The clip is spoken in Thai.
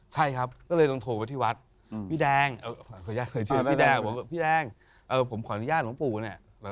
ใช่ครับก็เลยต้องโทรไปที่วัดพี่แดงพี่แดงผมขออนุญาตของปู่เนี่ย